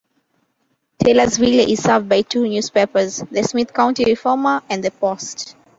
Taylorsville is served by two newspapers: The Smith County Reformer and The Post.